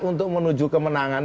untuk menuju kemenangan